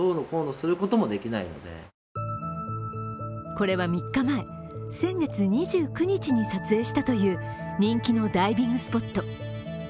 これは３日前、先月２９日に撮影したという人気のダイビングスポット。